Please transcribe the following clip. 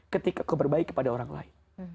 ketika kau berbaik kepada orang lain